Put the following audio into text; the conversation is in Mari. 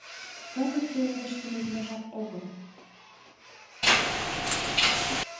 Кызыт пеледыш пеледме жап огыл.